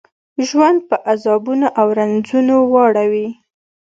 ژوند په عذابونو او رنځونو واړوي.